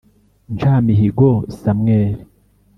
Nshamihigo Samuel